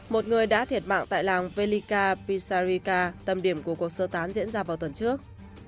một người đã thiệt mạng tại làng velica pisarika tầm điểm của cuộc sơ tán diễn ra vào tuần trước